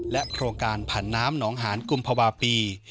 โครงการผันน้ำหนองหานกุมภาวะปี